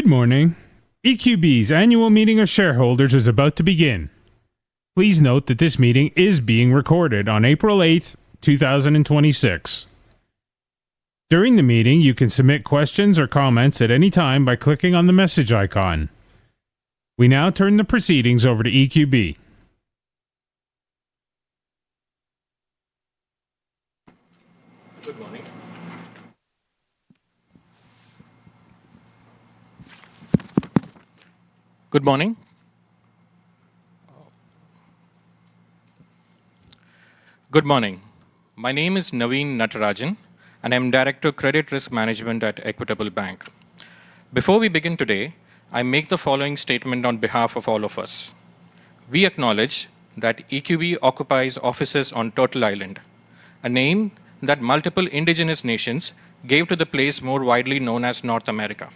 Good morning. EQB's annual meeting of shareholders is about to begin. Please note that this meeting is being recorded on April 8th, 2026. During the meeting, you can submit questions or comments at any time by clicking on the message icon. We now turn the proceedings over to EQB. Good morning. My name is Naveen Natarajan, and I'm Director, Credit Risk Management at Equitable Bank. Before we begin today, I make the following statement on behalf of all of us. We acknowledge that EQB occupies offices on Turtle Island, a name that multiple indigenous nations gave to the place more widely known as North America.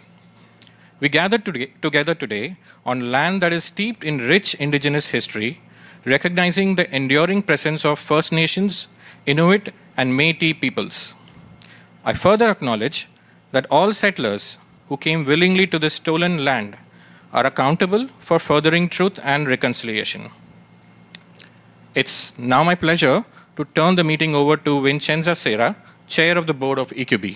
We gather together today on land that is steeped in rich indigenous history, recognizing the enduring presence of First Nations, Inuit, and Métis peoples. I further acknowledge that all settlers who came willingly to this stolen land are accountable for furthering truth and reconciliation. It's now my pleasure to turn the meeting over to Vincenza Sera, Chair of the Board of EQB.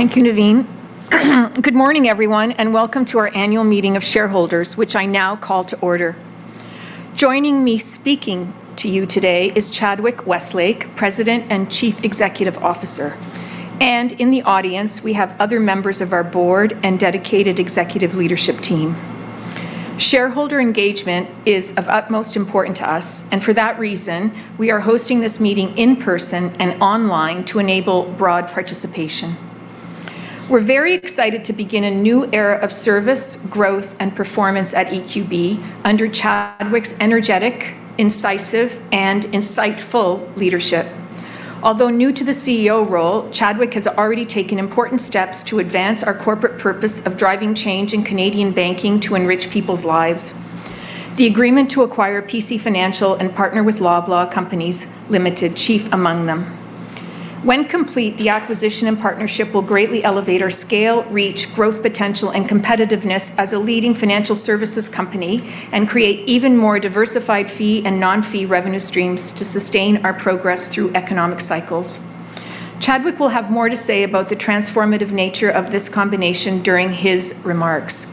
Thank you, Naveen. Good morning, everyone, and welcome to our annual meeting of shareholders, which I now call to order. Joining me speaking to you today is Chadwick Westlake, President and Chief Executive Officer, and in the audience, we have other members of our board and dedicated executive leadership team. Shareholder engagement is of utmost importance to us, and for that reason, we are hosting this meeting in person and online to enable broad participation. We're very excited to begin a new era of service, growth, and performance at EQB under Chadwick's energetic, incisive, and insightful leadership. Although new to the CEO role, Chadwick has already taken important steps to advance our corporate purpose of driving change in Canadian banking to enrich people's lives, the agreement to acquire PC Financial and partner with Loblaw Companies Limited chief among them. When complete, the acquisition and partnership will greatly elevate our scale, reach, growth potential, and competitiveness as a leading financial services company, and create even more diversified fee and non-fee revenue streams to sustain our progress through economic cycles. Chadwick will have more to say about the transformative nature of this combination during his remarks.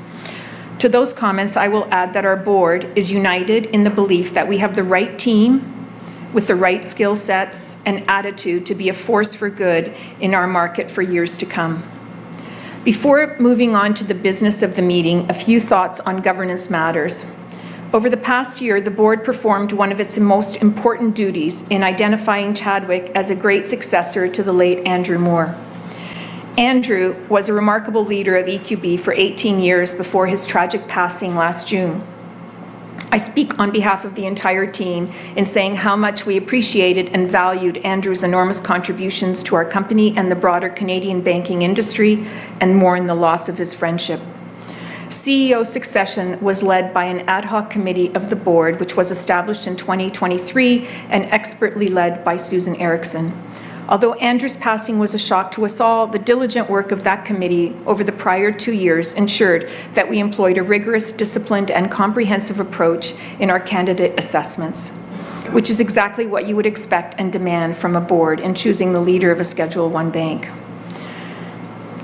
To those comments, I will add that our board is united in the belief that we have the right team with the right skill sets and attitude to be a force for good in our market for years to come. Before moving on to the business of the meeting, a few thoughts on governance matters. Over the past year, the board performed one of its most important duties in identifying Chadwick as a great successor to the late Andrew Moor. Andrew was a remarkable leader of EQB for 18 years before his tragic passing last June. I speak on behalf of the entire team in saying how much we appreciated and valued Andrew's enormous contributions to our company and the broader Canadian banking industry and mourn the loss of his friendship. CEO succession was led by an ad hoc committee of the board, which was established in 2023 and expertly led by Susan Ericksen. Although Andrew's passing was a shock to us all, the diligent work of that committee over the prior two years ensured that we employed a rigorous, disciplined, and comprehensive approach in our candidate assessments, which is exactly what you would expect and demand from a board in choosing the leader of a Schedule I bank.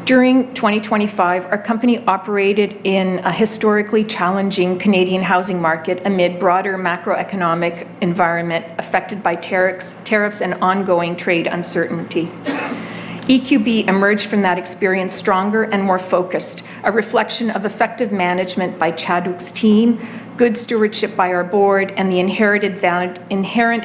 During 2025, our company operated in a historically challenging Canadian housing market amid broader macroeconomic environment affected by tariffs and ongoing trade uncertainty. EQB emerged from that experience stronger and more focused, a reflection of effective management by Chadwick's team, good stewardship by our board, and the inherent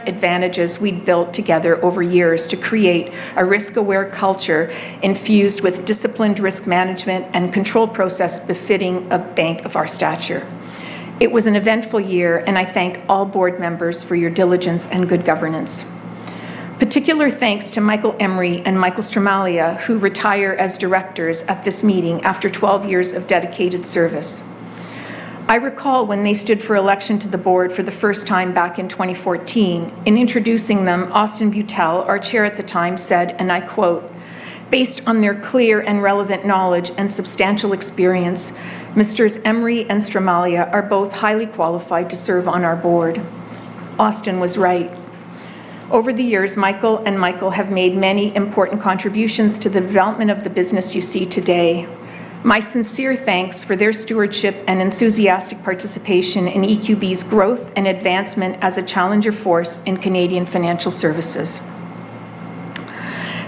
advantages we'd built together over years to create a risk-aware culture infused with disciplined risk management and controlled process befitting a bank of our stature. It was an eventful year, and I thank all board members for your diligence and good governance. Particular thanks to Michael Emory and Michael Stramaglia, who retire as directors at this meeting after 12 years of dedicated service. I recall when they stood for election to the board for the first time back in 2014. In introducing them, Austin Beutel, our Chair at the time, said, and I quote, "Based on their clear and relevant knowledge and substantial experience, Misters Emory and Stramaglia are both highly qualified to serve on our board." Austin was right. Over the years, Michael and Michael have made many important contributions to the development of the business you see today. My sincere thanks for their stewardship and enthusiastic participation in EQB's growth and advancement as a challenger force in Canadian financial services.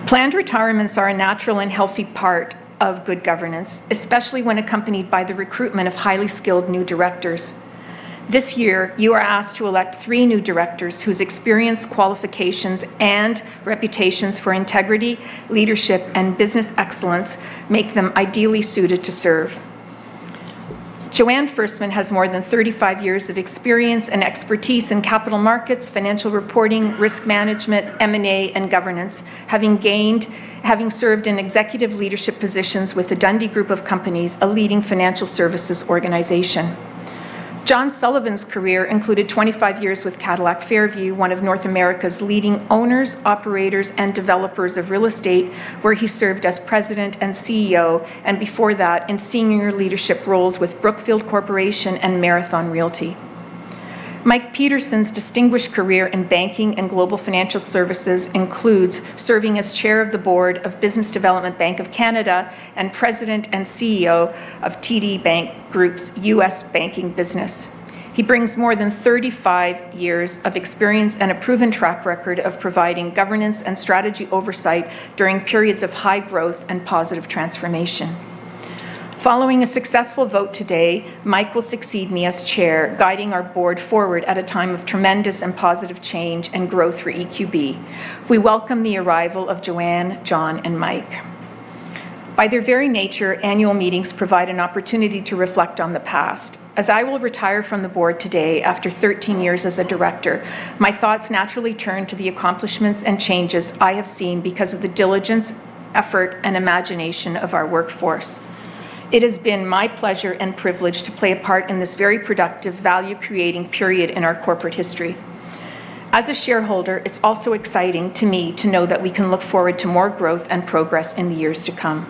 Planned retirements are a natural and healthy part of good governance, especially when accompanied by the recruitment of highly skilled new directors. This year, you are asked to elect three new directors whose experience, qualifications, and reputations for integrity, leadership, and business excellence make them ideally suited to serve. Joanne Ferstman has more than 35 years of experience and expertise in capital markets, financial reporting, risk management, M&A, and governance. Having served in executive leadership positions with the Dundee Group of companies, a leading financial services organization. John Sullivan's career included 25 years with Cadillac Fairview, one of North America's leading owners, operators, and developers of real estate, where he served as President and CEO, and before that, in senior leadership roles with Brookfield Corporation and Marathon Realty. Mike Pedersen's distinguished career in banking and global financial services includes serving as chair of the board of Business Development Bank of Canada and President and CEO of TD Bank Group's U.S. banking business. He brings more than 35 years of experience and a proven track record of providing governance and strategy oversight during periods of high growth and positive transformation. Following a successful vote today, Mike will succeed me as Chair, guiding our board forward at a time of tremendous and positive change and growth for EQB. We welcome the arrival of Joanne, John, and Mike. By their very nature, annual meetings provide an opportunity to reflect on the past. As I will retire from the board today after 13 years as a director, my thoughts naturally turn to the accomplishments and changes I have seen because of the diligence, effort, and imagination of our workforce. It has been my pleasure and privilege to play a part in this very productive, value-creating period in our corporate history. As a shareholder, it's also exciting to me to know that we can look forward to more growth and progress in the years to come.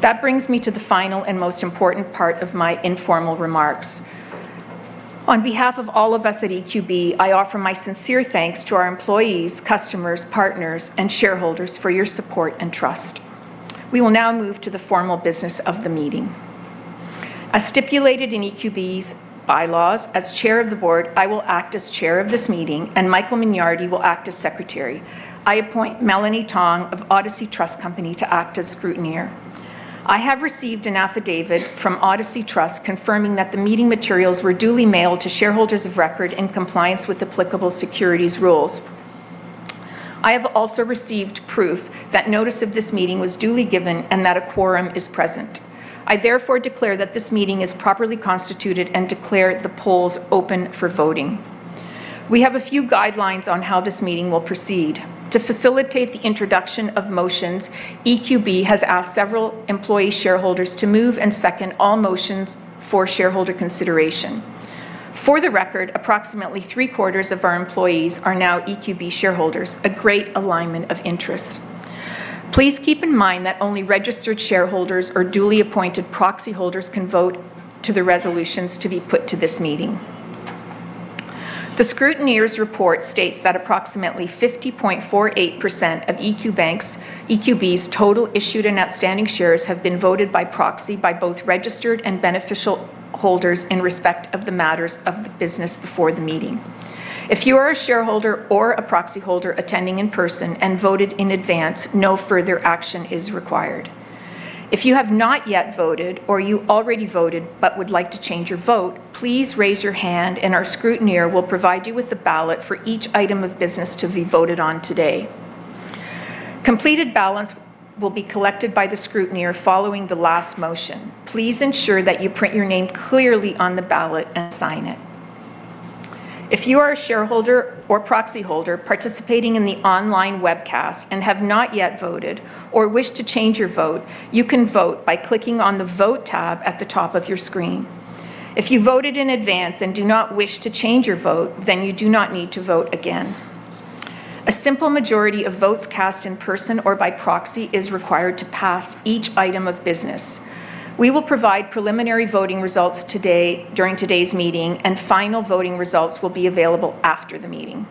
That brings me to the final and most important part of my informal remarks. On behalf of all of us at EQB, I offer my sincere thanks to our employees, customers, partners, and shareholders for your support and trust. We will now move to the formal business of the meeting. As stipulated in EQB's bylaws, as chair of the board, I will act as chair of this meeting, and Michael Mignardi will act as secretary. I appoint Melanie Tong of Odyssey Trust Company to act as scrutineer. I have received an affidavit from Odyssey Trust confirming that the meeting materials were duly mailed to shareholders of record in compliance with applicable securities rules. I have also received proof that notice of this meeting was duly given and that a quorum is present. I therefore declare that this meeting is properly constituted and declare the polls open for voting. We have a few guidelines on how this meeting will proceed. To facilitate the introduction of motions, EQB has asked several employee shareholders to move and second all motions for shareholder consideration. For the record, approximately three-quarters of our employees are now EQB shareholders, a great alignment of interests. Please keep in mind that only registered shareholders or duly appointed proxy holders can vote on the resolutions to be put to this meeting. The scrutineer's report states that approximately 50.48% of EQB's total issued and outstanding shares have been voted by proxy by both registered and beneficial holders in respect of the matters of the business before the meeting. If you are a shareholder or a proxy holder attending in person and voted in advance, no further action is required. If you have not yet voted or you already voted but would like to change your vote, please raise your hand, and our scrutineer will provide you with a ballot for each item of business to be voted on today. Completed ballots will be collected by the scrutineer following the last motion. Please ensure that you print your name clearly on the ballot and sign it. If you are a shareholder or proxy holder participating in the online webcast and have not yet voted or wish to change your vote, you can vote by clicking on the Vote tab at the top of your screen. If you voted in advance and do not wish to change your vote, then you do not need to vote again. A simple majority of votes cast in person or by proxy is required to pass each item of business. We will provide preliminary voting results during today's meeting, and final voting results will be available after the meeting.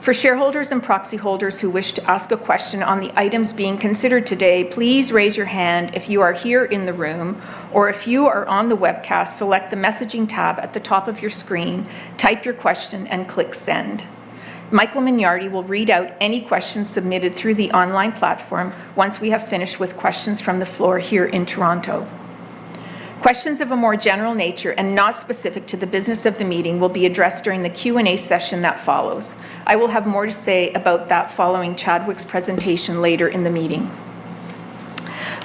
For shareholders and proxy holders who wish to ask a question on the items being considered today, please raise your hand if you are here in the room, or if you are on the webcast, select the Messaging tab at the top of your screen, type your question, and click Send. Michael Mignardi will read out any questions submitted through the online platform once we have finished with questions from the floor here in Toronto. Questions of a more general nature and not specific to the business of the meeting will be addressed during the Q&A session that follows. I will have more to say about that following Chadwick's presentation later in the meeting.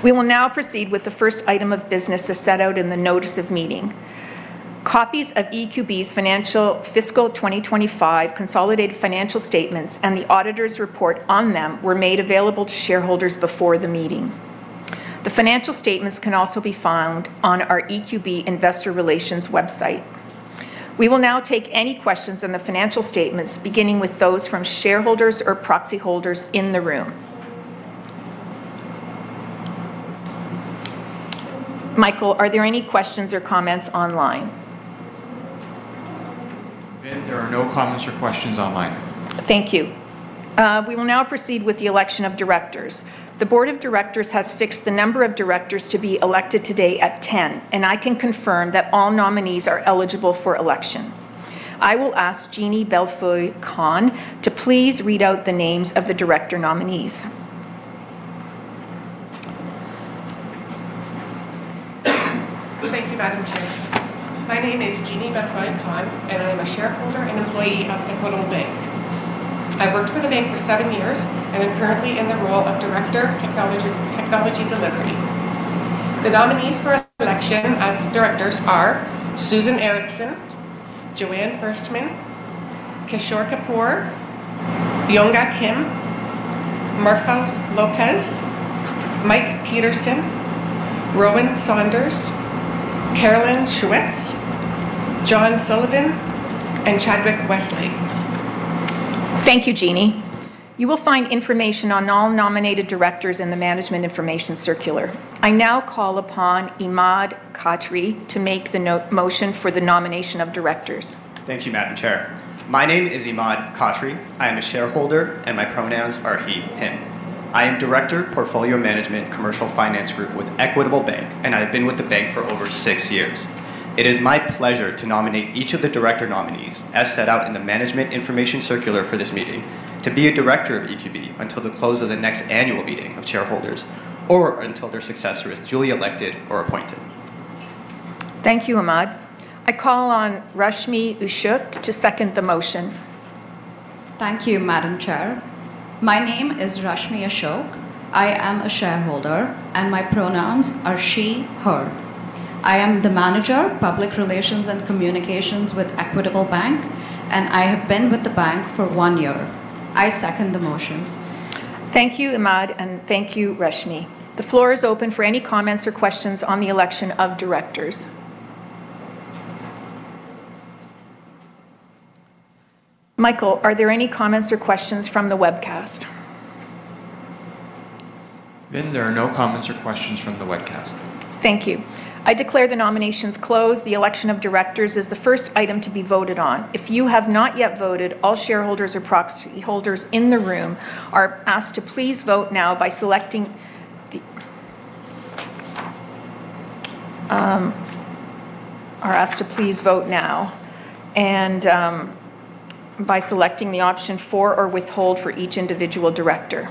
We will now proceed with the first item of business as set out in the notice of meeting. Copies of EQB's fiscal 2025 consolidated financial statements and the auditor's report on them were made available to shareholders before the meeting. The financial statements can also be found on our EQB investor relations website. We will now take any questions on the financial statements, beginning with those from shareholders or proxy holders in the room. Michael, are there any questions or comments online? Vin, there are no comments or questions online. Thank you. We will now proceed with the election of directors. The board of directors has fixed the number of directors to be elected today at 10, and I can confirm that all nominees are eligible for election. I will ask Jeannie Bellefeuille Conn to please read out the names of the director nominees. Thank you, Madam Chair. My name is Jeannie Bellefeuille Conn, and I am a shareholder and employee of Equitable Bank. I've worked with the bank for seven years and am currently in the role of Director, Technology Delivery. The nominees for election as directors are Susan Ericksen, Joanne Ferstman, Kishore Kapoor, Yongah Kim. Marcos Lopez, Mike Pedersen, Rowan Saunders, Carolyn Schuetz, John Sullivan, and Chadwick Westlake. Thank you, Jeannie. You will find information on all nominated directors in the management information circular. I now call upon Imaad Khatri to make the motion for the nomination of directors. Thank you, Madam Chair. My name is Imaad Khatri. I am a shareholder, and my pronouns are he/him. I am Director, Portfolio Management Commercial Finance Group with Equitable Bank, and I have been with the bank for over six years. It is my pleasure to nominate each of the director nominees as set out in the management information circular for this meeting to be a director of EQB until the close of the next annual meeting of shareholders or until their successor is duly elected or appointed. Thank you, Imaad. I call on Rashmi Ashok to second the motion. Thank you, Madam Chair. My name is Rashmi Ashok. I am a shareholder, and my pronouns are she/her. I am the Manager of Public Relations and Communications with Equitable Bank, and I have been with the bank for one year. I second the motion. Thank you, Imaad, and thank you, Rashmi. The floor is open for any comments or questions on the election of directors. Michael, are there any comments or questions from the webcast? Vin, there are no comments or questions from the webcast. Thank you. I declare the nominations closed. The election of directors is the first item to be voted on. If you have not yet voted, all shareholders or proxy holders in the room are asked to please vote now by selecting the option "for" or "withhold" for each individual director.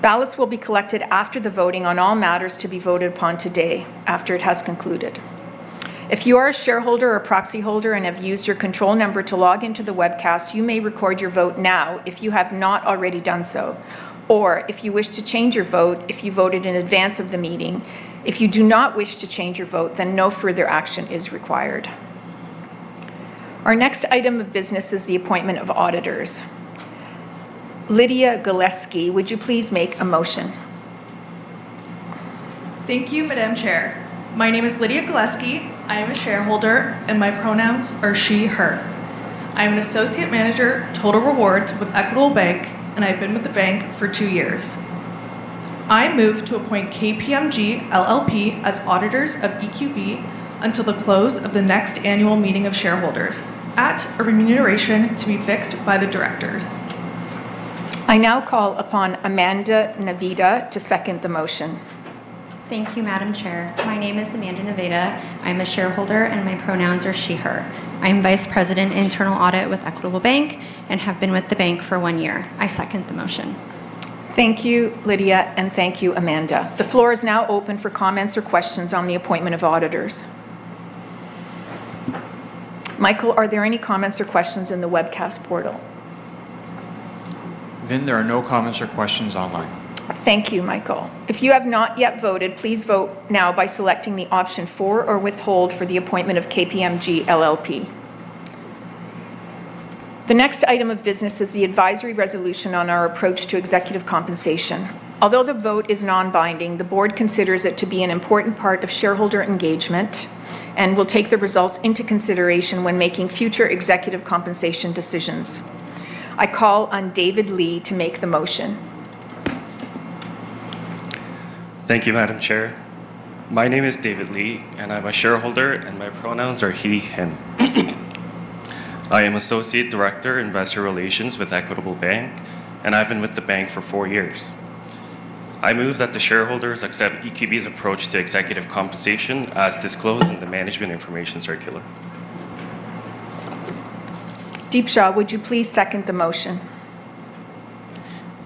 Ballots will be collected after the voting on all matters to be voted upon today after it has concluded. If you are a shareholder or proxy holder and have used your control number to log into the webcast, you may record your vote now if you have not already done so, or if you wish to change your vote if you voted in advance of the meeting. If you do not wish to change your vote, then no further action is required. Our next item of business is the appointment of auditors. Lydia Goleski, would you please make a motion? Thank you, Madam Chair. My name is Lydia Goleski. I am a shareholder, and my pronouns are she/her. I am an Associate Manager, Total Rewards with Equitable Bank, and I've been with the bank for two years. I move to appoint KPMG LLP as auditors of EQB until the close of the next annual meeting of shareholders at a remuneration to be fixed by the directors. I now call upon Amanda Naveda to second the motion. Thank you, Madam Chair. My name is Amanda Naveda. I am a shareholder, and my pronouns are she/her. I am Vice President, Internal Audit with Equitable Bank and have been with the bank for one year. I second the motion. Thank you, Lydia, and thank you, Amanda. The floor is now open for comments or questions on the appointment of auditors. Michael, are there any comments or questions in the webcast portal? Vin, there are no comments or questions online. Thank you, Michael. If you have not yet voted, please vote now by selecting the option "for" or "withhold" for the appointment of KPMG LLP. The next item of business is the advisory resolution on our approach to executive compensation. Although the vote is non-binding, the board considers it to be an important part of shareholder engagement and will take the results into consideration when making future executive compensation decisions. I call on David Lee to make the motion. Thank you, Madam Chair. My name is David Lee, and I'm a shareholder, and my pronouns are he/him. I am Associate Director, Investor Relations with Equitable Bank, and I've been with the bank for four years. I move that the shareholders accept EQB's approach to executive compensation as disclosed in the management information circular. Deep Shah, would you please second the motion?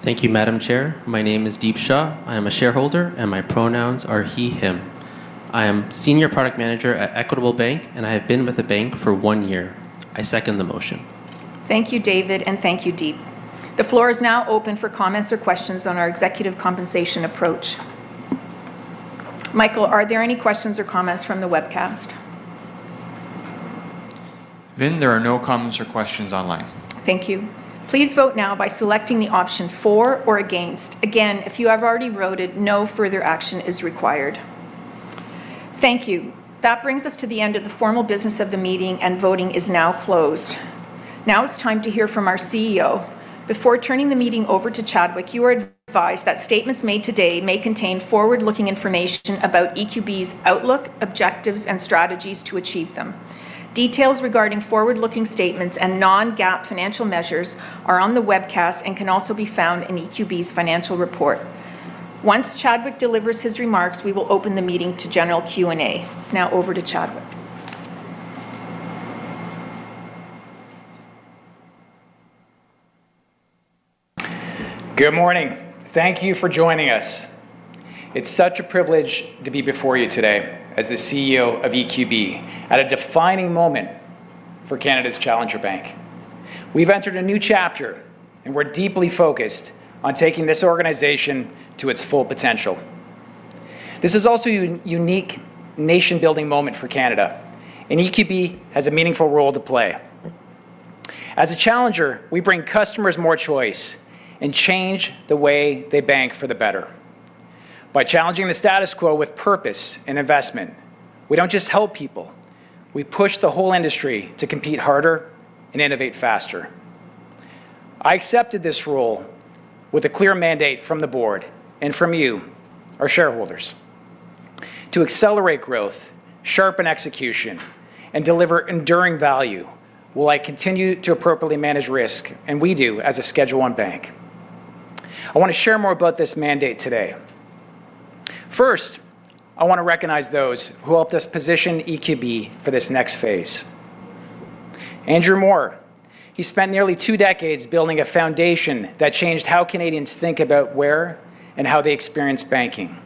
Thank you, Madam Chair. My name is Deep Shah. I am a shareholder, and my pronouns are he/him. I am Senior Product Manager at Equitable Bank, and I have been with the bank for one year. I second the motion. Thank you, David, and thank you, Deep. The floor is now open for comments or questions on our executive compensation approach. Michael, are there any questions or comments from the webcast? Vin, there are no comments or questions online. Thank you. Please vote now by selecting the option "for" or "against." Again, if you have already voted, no further action is required. Thank you. That brings us to the end of the formal business of the meeting, and voting is now closed. Now it's time to hear from our CEO. Before turning the meeting over to Chadwick, you are advised that statements made today may contain forward-looking information about EQB's outlook, objectives, and strategies to achieve them. Details regarding forward-looking statements and non-GAAP financial measures are on the webcast and can also be found in EQB's financial report. Once Chadwick delivers his remarks, we will open the meeting to general Q&A. Now over to Chadwick. Good morning. Thank you for joining us. It's such a privilege to be before you today as the CEO of EQB at a defining moment for Canada's challenger bank. We've entered a new chapter, and we're deeply focused on taking this organization to its full potential. This is also a unique nation-building moment for Canada, and EQB has a meaningful role to play. As a challenger, we bring customers more choice and change the way they bank for the better. By challenging the status quo with purpose and investment, we don't just help people, we push the whole industry to compete harder and innovate faster. I accepted this role with a clear mandate from the board and from you, our shareholders. To accelerate growth, sharpen execution, and deliver enduring value, while I continue to appropriately manage risk, and we do as a Schedule I bank. I want to share more about this mandate today. First, I want to recognize those who helped us position EQB for this next phase. Andrew Moor. He spent nearly two decades building a foundation that changed how Canadians think about where and how they experience banking.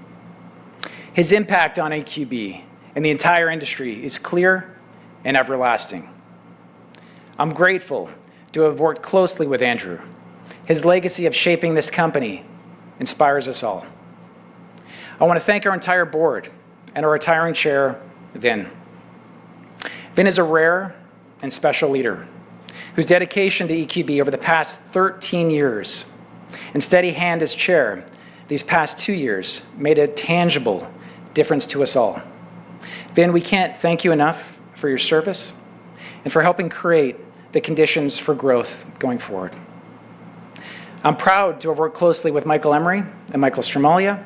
His impact on EQB and the entire industry is clear and everlasting. I'm grateful to have worked closely with Andrew. His legacy of shaping this company inspires us all. I want to thank our entire board and our retiring chair, Vin. Vin is a rare and special leader whose dedication to EQB over the past 13 years and steady hand as chair these past two years made a tangible difference to us all. Vin, we can't thank you enough for your service and for helping create the conditions for growth going forward. I'm proud to have worked closely with Michael Emory and Michael Stramaglia.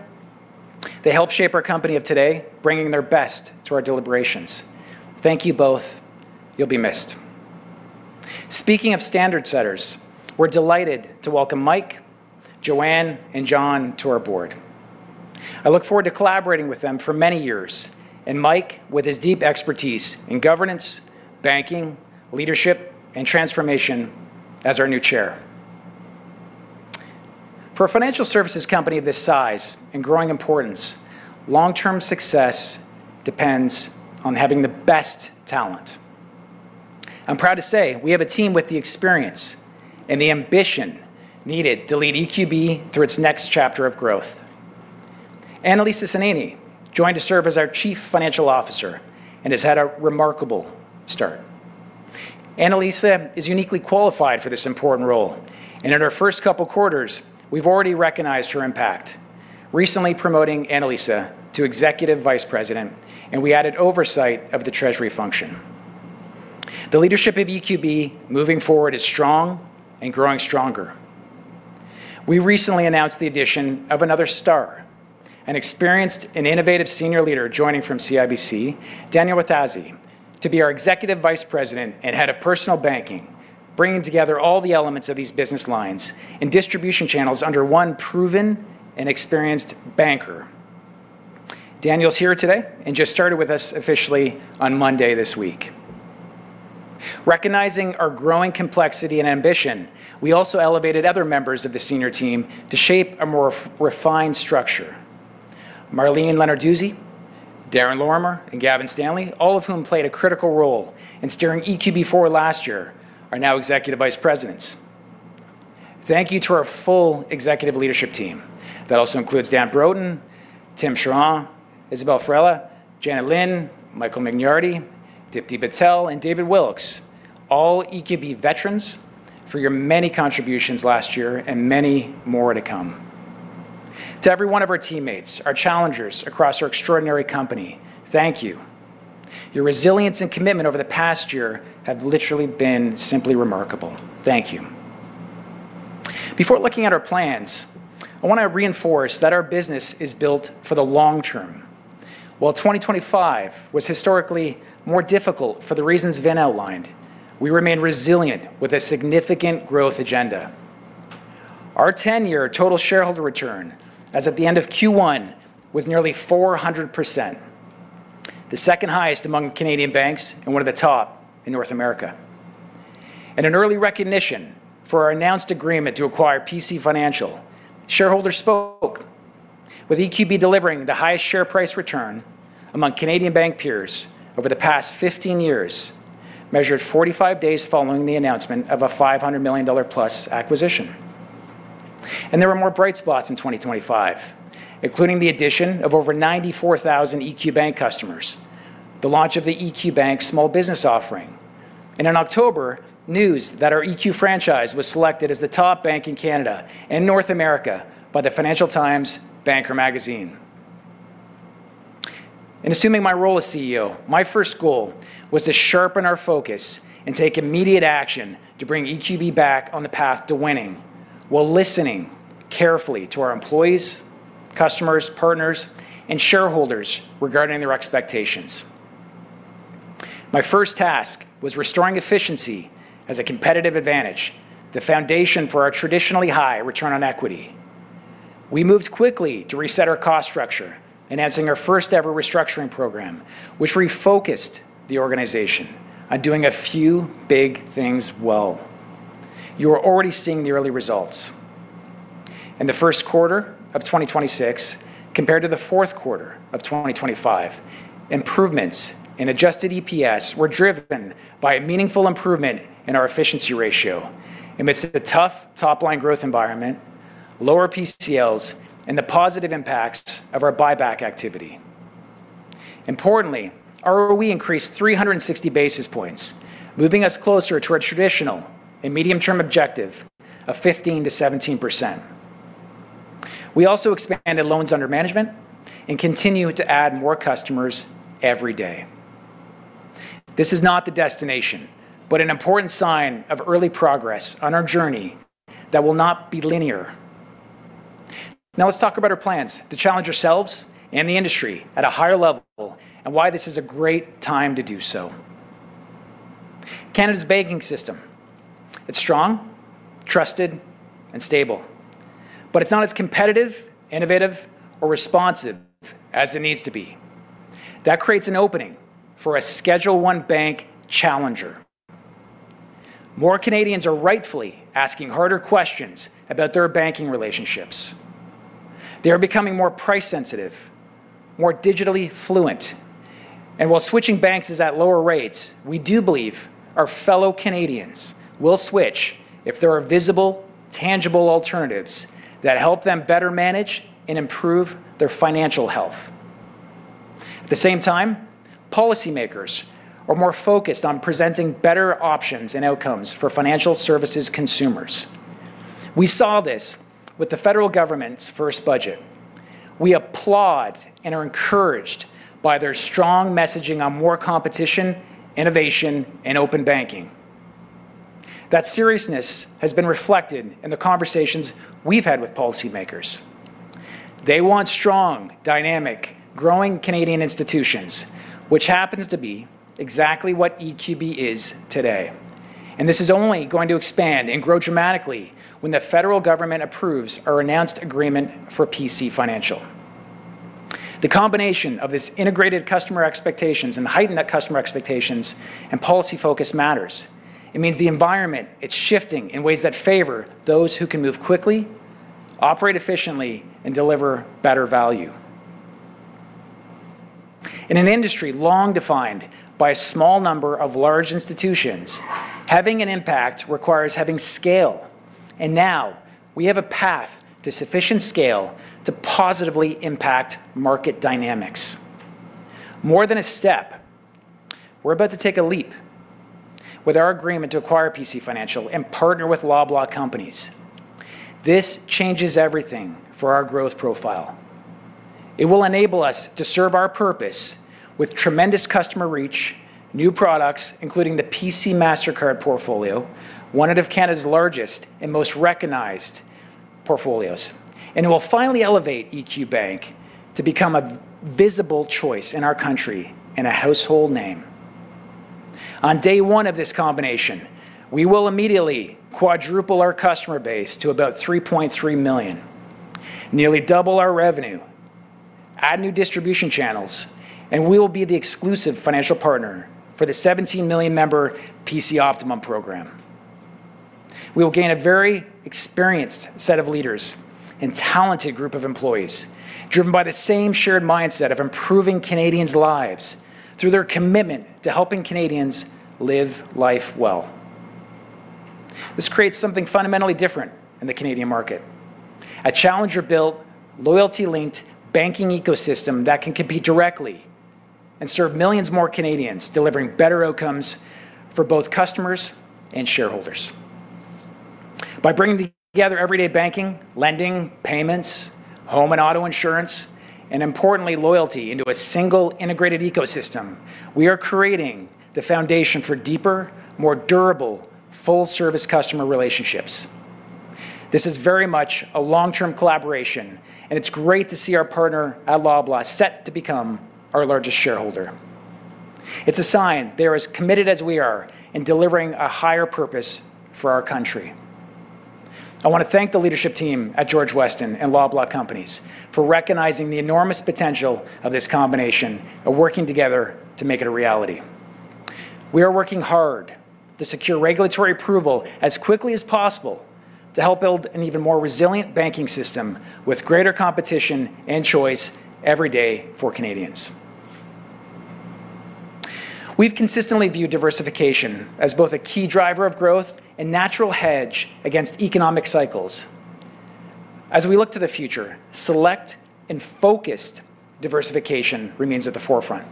They helped shape our company of today, bringing their best to our deliberations. Thank you both. You'll be missed. Speaking of standard setters, we're delighted to welcome Mike, Joanne, and John to our board. I look forward to collaborating with them for many years, and Mike, with his deep expertise in governance, banking, leadership, and transformation as our new Chair. For a financial services company of this size and growing importance, long-term success depends on having the best talent. I'm proud to say we have a team with the experience and the ambition needed to lead EQB through its next chapter of growth. Anilisa Sainini joined to serve as our Chief Financial Officer and has had a remarkable start. Anilisa is uniquely qualified for this important role, and in her first couple of quarters, we've already recognized her impact, recently promoting Anilisa to Executive Vice President, and we added oversight of the treasury function. The leadership of EQB moving forward is strong and growing stronger. We recently announced the addition of another star, an experienced and innovative senior leader joining from CIBC, Daniel Rethazy, to be our Executive Vice President and Head of Personal Banking, bringing together all the elements of these business lines and distribution channels under one proven and experienced banker. Daniel's here today and just started with us officially on Monday this week. Recognizing our growing complexity and ambition, we also elevated other members of the senior team to shape a more refined structure. Marlene Lenarduzzi, Darren Lorimer, and Gavin Stanley, all of whom played a critical role in steering EQB forward last year, are now Executive Vice Presidents. Thank you to our full Executive Leadership Team. That also includes Dan Broten, Tim Charron, Isabelle Farrella, Janet Lin, Michael Mignardi, Dipti Patel, and David Wilkes, all EQB veterans, for your many contributions last year and many more to come. To every one of our teammates, our colleagues across our extraordinary company, thank you. Your resilience and commitment over the past year have literally been simply remarkable. Thank you. Before looking at our plans, I want to reinforce that our business is built for the long term. While 2025 was historically more difficult for the reasons Vin outlined, we remain resilient with a significant growth agenda. Our 10-year total shareholder return, as at the end of Q1, was nearly 400%, the second highest among Canadian banks and one of the top in North America. In an early recognition for our announced agreement to acquire PC Financial, shareholders spoke with EQB delivering the highest share price return among Canadian bank peers over the past 15 years, measured 45 days following the announcement of a CAD 500 million-plus acquisition. There were more bright spots in 2025, including the addition of over 94,000 EQ Bank customers, the launch of the EQ Bank small business offering, and in October, news that our EQ franchise was selected as the top bank in Canada and North America by "The Financial Times' Banker" magazine. In assuming my role as CEO, my first goal was to sharpen our focus and take immediate action to bring EQB back on the path to winning while listening carefully to our employees, customers, partners, and shareholders regarding their expectations. My first task was restoring efficiency as a competitive advantage, the foundation for our traditionally high return on equity. We moved quickly to reset our cost structure, enhancing our first-ever restructuring program, which refocused the organization on doing a few big things well. You're already seeing the early results. In the first quarter of 2026, compared to the fourth quarter of 2025, improvements in adjusted EPS were driven by a meaningful improvement in our efficiency ratio amidst the tough top-line growth environment, lower PCLs, and the positive impacts of our buyback activity. Importantly, our ROE increased 360 basis points, moving us closer to our traditional and medium-term objective of 15%-17%. We also expanded loans under management and continue to add more customers every day. This is not the destination, but an important sign of early progress on our journey that will not be linear. Now let's talk about our plans to challenge ourselves and the industry at a higher level, and why this is a great time to do so. Canada's banking system, it's strong, trusted, and stable. It's not as competitive, innovative, or responsive as it needs to be. That creates an opening for a Schedule I bank challenger. More Canadians are rightfully asking harder questions about their banking relationships. They are becoming more price sensitive, more digitally fluent. While switching banks is at lower rates, we do believe our fellow Canadians will switch if there are visible, tangible alternatives that help them better manage and improve their financial health. At the same time, policymakers are more focused on presenting better options and outcomes for financial services consumers. We saw this with the federal government's first budget. We applaud and are encouraged by their strong messaging on more competition, innovation, and open banking. That seriousness has been reflected in the conversations we've had with policymakers. They want strong, dynamic, growing Canadian institutions, which happens to be exactly what EQB is today. This is only going to expand and grow dramatically when the federal government approves our announced agreement for PC Financial. The combination of this integrated customer expectations, and heightened customer expectations, and policy focus matters. It means the environment, it's shifting in ways that favor those who can move quickly, operate efficiently, and deliver better value. In an industry long defined by a small number of large institutions, having an impact requires having scale, and now we have a path to sufficient scale to positively impact market dynamics. More than a step, we're about to take a leap with our agreement to acquire PC Financial and partner with Loblaw Companies. This changes everything for our growth profile. It will enable us to serve our purpose with tremendous customer reach, new products, including the PC MasterCard portfolio, one of Canada's largest and most recognized portfolios, and it will finally elevate EQ Bank to become a visible choice in our country and a household name. On day one of this combination, we will immediately quadruple our customer base to about 3.3 million, nearly double our revenue, add new distribution channels, and we will be the exclusive financial partner for the 17 million member PC Optimum program. We will gain a very experienced set of leaders and talented group of employees, driven by the same shared mindset of improving Canadians' lives through their commitment to helping Canadians live life well. This creates something fundamentally different in the Canadian market. A challenger-built, loyalty-linked banking ecosystem that can compete directly and serve millions more Canadians, delivering better outcomes for both customers and shareholders. By bringing together everyday banking, lending, payments, home and auto insurance, and importantly, loyalty into a single integrated ecosystem, we are creating the foundation for deeper, more durable, full-service customer relationships. This is very much a long-term collaboration, and it's great to see our partner at Loblaw set to become our largest shareholder. It's a sign they're as committed as we are in delivering a higher purpose for our country. I want to thank the leadership team at George Weston and Loblaw Companies for recognizing the enormous potential of this combination and working together to make it a reality. We are working hard to secure regulatory approval as quickly as possible to help build an even more resilient banking system with greater competition and choice every day for Canadians. We've consistently viewed diversification as both a key driver of growth and natural hedge against economic cycles. As we look to the future, select and focused diversification remains at the forefront.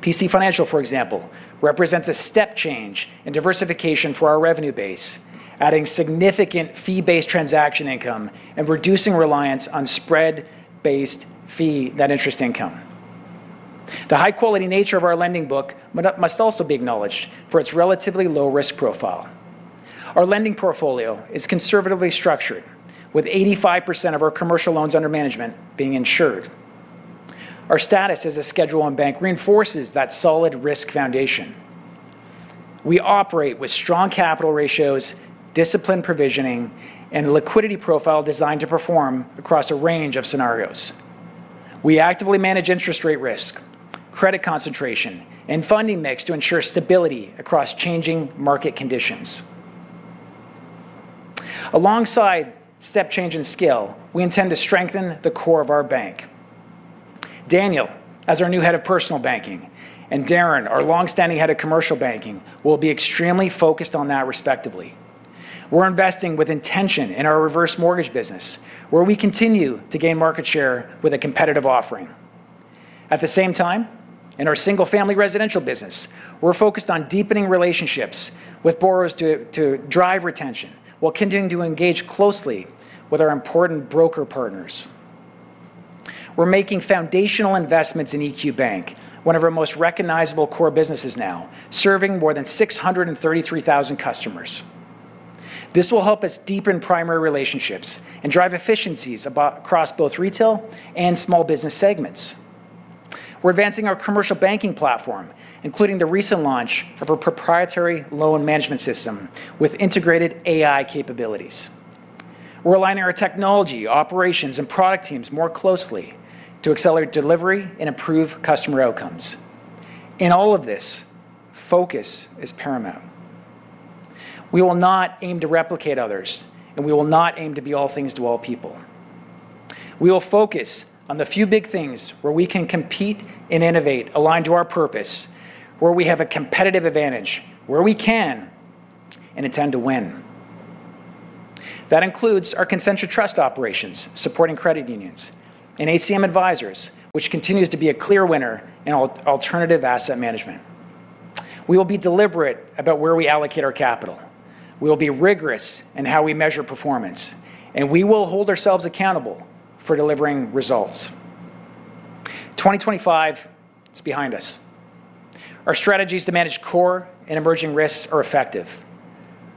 PC Financial, for example, represents a step change in diversification for our revenue base, adding significant fee-based transaction income and reducing reliance on spread-based fee, that interest income. The high-quality nature of our lending book must also be acknowledged for its relatively low risk profile. Our lending portfolio is conservatively structured, with 85% of our commercial loans under management being insured. Our status as a Schedule I bank reinforces that solid risk foundation. We operate with strong capital ratios, disciplined provisioning, and a liquidity profile designed to perform across a range of scenarios. We actively manage interest rate risk, credit concentration, and funding mix to ensure stability across changing market conditions. Alongside step change in scale, we intend to strengthen the core of our bank. Daniel, as our new head of personal banking, and Darren, our long-standing head of commercial banking, will be extremely focused on that respectively. We're investing with intention in our reverse mortgage business, where we continue to gain market share with a competitive offering. At the same time, in our single-family residential business, we're focused on deepening relationships with borrowers to drive retention, while continuing to engage closely with our important broker partners. We're making foundational investments in EQ Bank, one of our most recognizable core businesses now, serving more than 633,000 customers. This will help us deepen primary relationships and drive efficiencies across both retail and small business segments. We're advancing our commercial banking platform, including the recent launch of our proprietary loan management system with integrated AI capabilities. We're aligning our technology, operations, and product teams more closely to accelerate delivery and improve customer outcomes. In all of this, focus is paramount. We will not aim to replicate others, and we will not aim to be all things to all people. We will focus on the few big things where we can compete and innovate, aligned to our purpose, where we have a competitive advantage, where we can and intend to win. That includes our Concentra Trust operations, supporting credit unions, and ACM Advisors, which continues to be a clear winner in alternative asset management. We will be deliberate about where we allocate our capital. We will be rigorous in how we measure performance, and we will hold ourselves accountable for delivering results. 2025 is behind us. Our strategies to manage core and emerging risks are effective.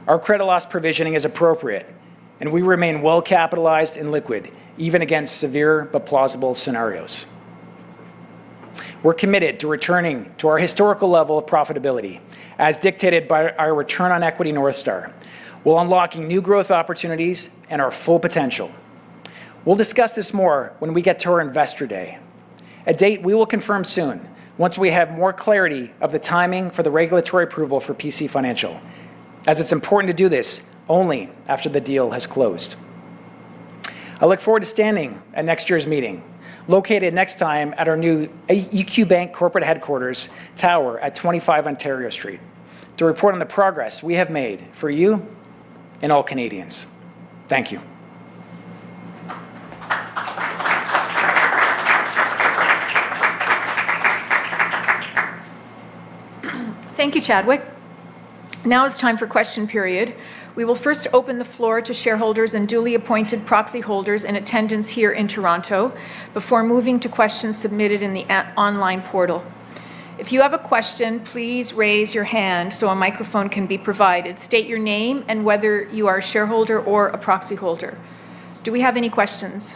Our credit loss provisioning is appropriate, and we remain well capitalized and liquid, even against severe but plausible scenarios. We're committed to returning to our historical level of profitability, as dictated by our return on equity North Star. We're unlocking new growth opportunities and our full potential. We'll discuss this more when we get to our investor day, a date we will confirm soon, once we have more clarity of the timing for the regulatory approval for PC Financial, as it's important to do this only after the deal has closed. I look forward to standing at next year's meeting, located next time at our new EQ Bank corporate headquarters tower at 25 Ontario Street, to report on the progress we have made for you and all Canadians. Thank you. Thank you, Chadwick. Now it's time for question period. We will first open the floor to shareholders and duly appointed proxy holders in attendance here in Toronto before moving to questions submitted in the online portal. If you have a question, please raise your hand so a microphone can be provided. State your name and whether you are a shareholder or a proxy holder. Do we have any questions?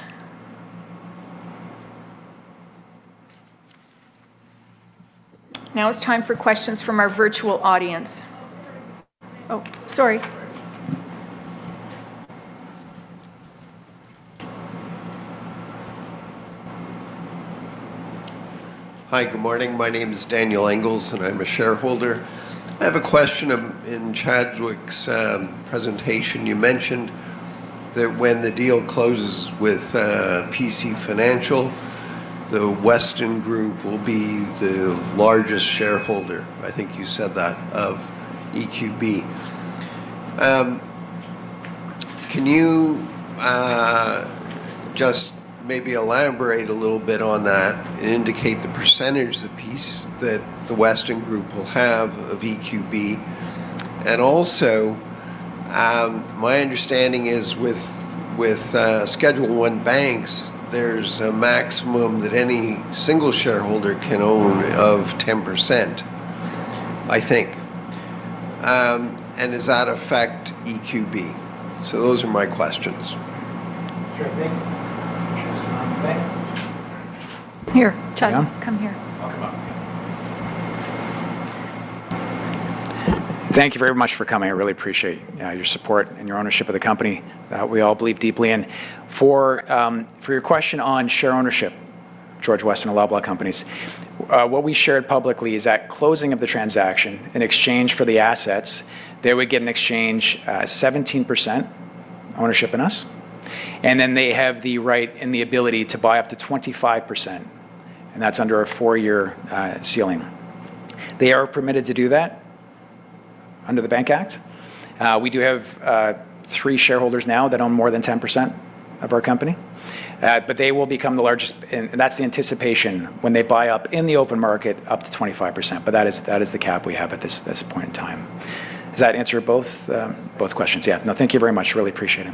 Now it's time for questions from our virtual audience. Oh, sorry. Hi. Good morning. My name is Daniel Engels, and I'm a shareholder. I have a question. In Chadwick's presentation, you mentioned that when the deal closes with PC Financial, the Weston group will be the largest shareholder, I think you said that, of EQB. Can you just maybe elaborate a little bit on that and indicate the percentage, the piece, that the Weston group will have of EQB? My understanding is with Schedule I banks, there's a maximum that any single shareholder can own of 10%, I think. Does that affect EQB? Those are my questions. Here. Chadwick. Come here. I'll come up. Thank you very much for coming. I really appreciate your support and your ownership of the company that we all believe deeply in. For your question on share ownership, George Weston and Loblaw Companies, what we shared publicly is at closing of the transaction, in exchange for the assets, they would get in exchange 17% ownership in us. Then they have the right and the ability to buy up to 25%, and that's under a 4-year ceiling. They are permitted to do that under the Bank Act. We do have three shareholders now that own more than 10% of our company. They will become the largest. That's the anticipation when they buy up in the open market up to 25%, but that is the cap we have at this point in time. Does that answer both questions? Yeah. No, thank you very much. Really appreciate it.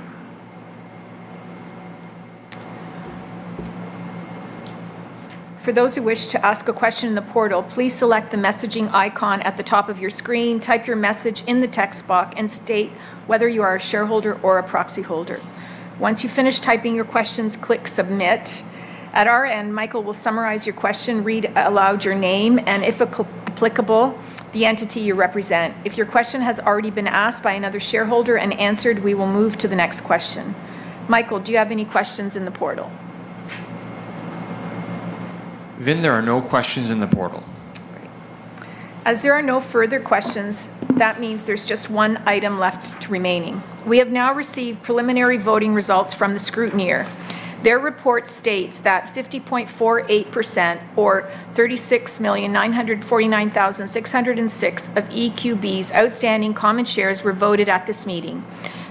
For those who wish to ask a question in the portal, please select the messaging icon at the top of your screen, type your message in the text box, and state whether you are a shareholder or a proxy holder. Once you've finished typing your questions, click Submit. At our end, Michael will summarize your question, read aloud your name, and if applicable, the entity you represent. If your question has already been asked by another shareholder and answered, we will move to the next question. Michael, do you have any questions in the portal? Vin, there are no questions in the portal. Great. As there are no further questions, that means there's just one item left remaining. We have now received preliminary voting results from the scrutineer. Their report states that 50.48%, or 36,949,606 of EQB's outstanding common shares were voted at this meeting.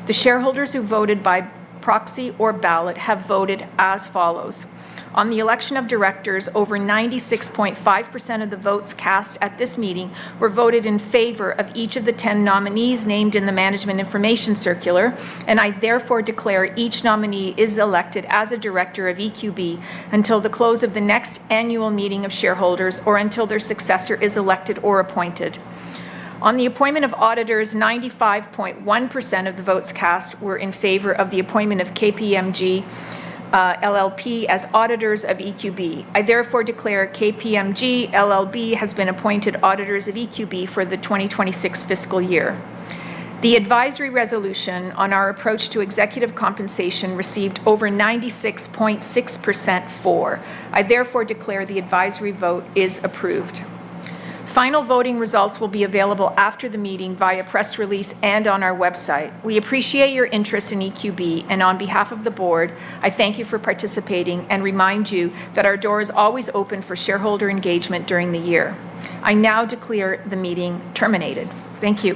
The shareholders who voted by proxy or ballot have voted as follows. On the election of directors, over 96.5% of the votes cast at this meeting were voted in favor of each of the 10 nominees named in the management information circular, and I therefore declare each nominee is elected as a director of EQB until the close of the next annual meeting of shareholders or until their successor is elected or appointed. On the appointment of auditors, 95.1% of the votes cast were in favor of the appointment of KPMG LLP as auditors of EQB. I therefore declare KPMG LLP has been appointed auditors of EQB for the 2026 fiscal year. The advisory resolution on our approach to executive compensation received over 96.6% for. I therefore declare the advisory vote is approved. Final voting results will be available after the meeting via press release and on our website. We appreciate your interest in EQB, and on behalf of the board, I thank you for participating and remind you that our door is always open for shareholder engagement during the year. I now declare the meeting terminated. Thank you.